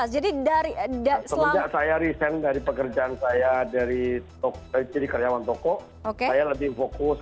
jadi dari anda setelah saya resen dari pekerjaan saya dari top dari karyawan toko oke lebih fokus